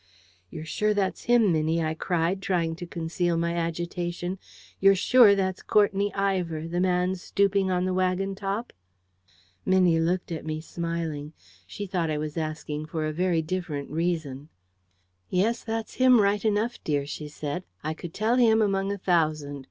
"You're sure that's him, Minnie?" I cried, trying to conceal my agitation. "You're sure that's Courtenay Ivor, the man stooping on the wagon top?" Minnie looked at me, smiling. She thought I was asking for a very different reason. "Yes, that's him, right enough, dear," she said. "I could tell him among a thousand.